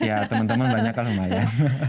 iya teman teman banyak kan lumayan